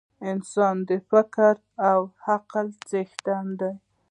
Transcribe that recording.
انسان د فکر او عقل څښتن دی.